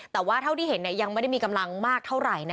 แต่ว่าเท่าที่เห็นยังไม่ได้มีกำลังมากเท่าไหร่